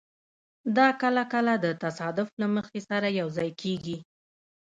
دا کله کله د تصادف له مخې سره یوځای کېږي.